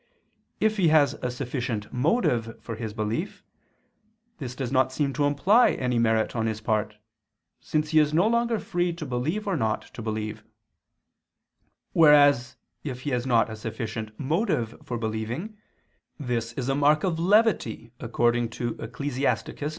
If he has a sufficient motive for his belief, this does not seem to imply any merit on his part, since he is no longer free to believe or not to believe: whereas if he has not a sufficient motive for believing, this is a mark of levity, according to Ecclus.